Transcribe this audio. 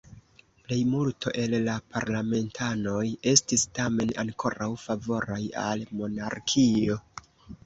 Plejmulto el la parlamentanoj estis tamen ankoraŭ favoraj al monarkio.